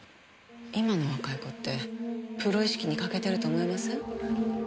今の若い子ってプロ意識に欠けてると思いません？